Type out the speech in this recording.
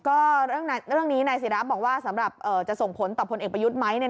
ก็เรื่องนี้นายศิราบอกว่าสำหรับจะส่งผลต่อพลเอกประยุทธ์ไหม